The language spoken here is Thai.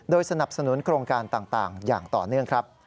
สนับสนุนโครงการต่างอย่างต่อเนื่องครับ